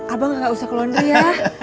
abang gak usah keluar dari ya